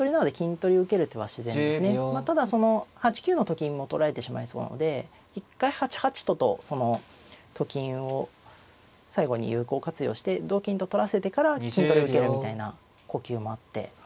まあただその８九のと金も取られてしまいそうなので一回８八ととそのと金を最後に有効活用して同金と取らせてから金取りを受けるみたいな呼吸もあって。